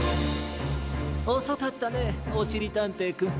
おそかったねおしりたんていくん。